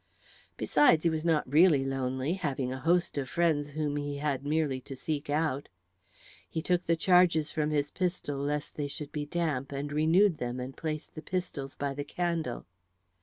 Besides, he was not really lonely, having a host of friends whom he had merely to seek out; he took the charges from his pistol lest they should be damp, and renewed them and placed the pistols by the candle.